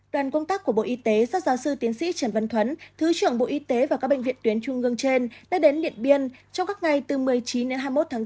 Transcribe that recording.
đoàn công tác của bộ y tế do giáo sư tiến sĩ trần văn thuấn thứ trưởng bộ y tế và các bệnh viện tuyến trung ương trên đã đến điện biên trong các ngày từ một mươi chín đến hai mươi một tháng bốn